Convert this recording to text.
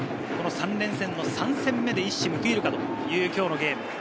３連戦の３戦目で一矢報いるかという今日のゲーム。